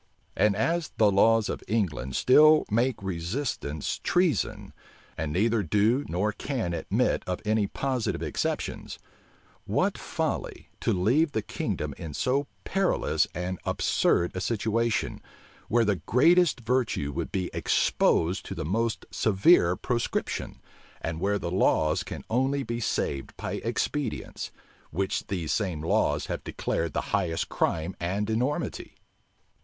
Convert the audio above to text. And as the laws of England still make resistance treason, and neither do nor can admit of any positive exceptions, what folly to leave the kingdom in so perilous and absurd a situation, where the greatest virtue will be exposed to the most severe proscription, and where the laws can only be saved by expedients, which these same laws have declared the highest crime and enormity!